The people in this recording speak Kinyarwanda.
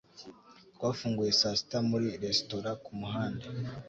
Twafunguye saa sita muri resitora kumuhanda.